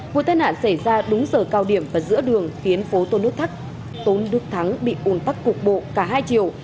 vụ tai nạn xảy ra đúng giờ cao điểm và giữa đường khiến phố tôn đức thắng bị ôn tắc cục bộ cả hai chiều